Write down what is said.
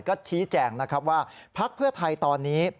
ก็ชี้แจ่งว่าพรรคเพื่อไทยตอนนี้